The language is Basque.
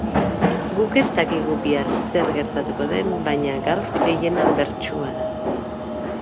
Guk ez dakigu bihar zer gertatuko den, baina gaur gehiena bertsua da.